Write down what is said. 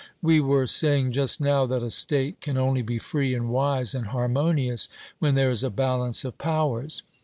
We were saying just now, that a state can only be free and wise and harmonious when there is a balance of powers.